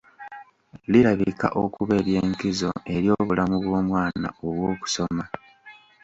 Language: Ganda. Lirabika okuba ery’enkizo eri obulamu bw’omwana obw’okusoma.